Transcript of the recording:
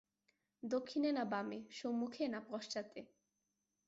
দক্ষিণে না বামে, সম্মুখে না পশ্চাতে?